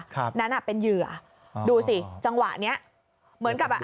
ครับนั่นเป็นเหยื่อดูสิจังหวะนี้เหมือนกับ